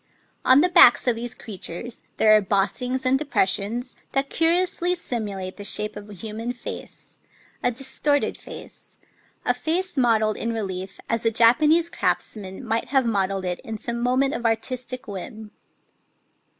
On the backs of these crea tures there are bossings and depressions that curi ously simulate the shape of a human face, — a distorted face, — a face modelled in relief as a Japanese craftsman might have modelled it in some moment of artistic whim.